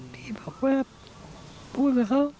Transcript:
ที่บอกว่าพูดกับเขา